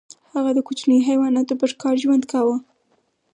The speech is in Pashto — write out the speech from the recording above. هغه د کوچنیو حیواناتو په ښکار ژوند کاوه.